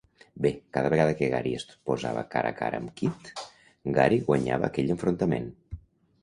Bé, cada vegada que Gary es posava cara a cara amb Kidd, Gary guanyava aquell enfrontament.